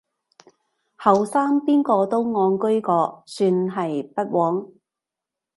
後生邊個都戇居過，算係不枉